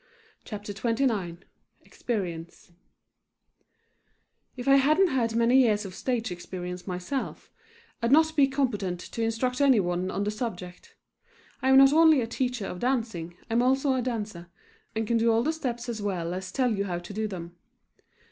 EXPERIENCE If I hadn't had many years of stage experience myself, I'd not be competent to instruct any one on the subject. I am not only a teacher of dancing, I am also a dancer, and can do all the steps as well as tell you how to do them.